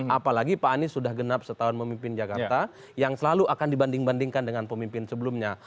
apalagi pak anies sudah genap setahun memimpin jakarta yang selalu akan dibanding bandingkan dengan pemimpin sebelumnya